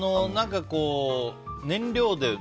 何かこう、燃料で。